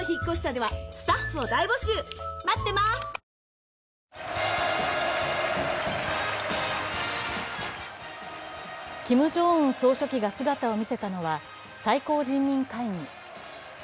北朝鮮はキム・ジョンウン総書記が姿を見せたのは最高人民会議。